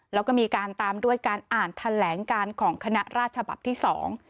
แล้วก็มีการตามด้วยการอ่านแถลงการของคณะราชฉบับที่สอง